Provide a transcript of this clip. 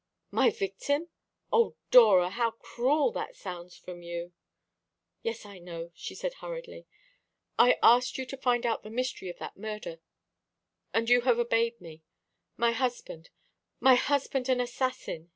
"My victim? O Dora, how cruel that sounds from you!" "Yes, I know," she said hurriedly. "I asked you to find out the mystery of that murder, and you have obeyed me. My husband my husband an assassin!"